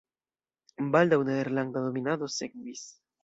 Baldaŭ nederlanda dominado sekvis.